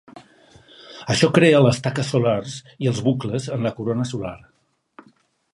Això crea les taques solars i els bucles en la corona solar.